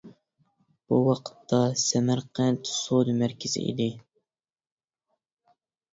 بۇ ۋاقىتتا سەمەرقەنت سودا مەركىزى ئىدى.